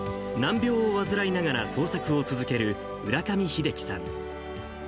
難病を患いながら創作を続ける浦上秀樹さん。